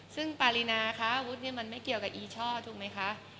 ซึ่งปารีนาค้าอาวุธนี่มันไม่เกี่ยวกับอีช่อถูกไหมคะ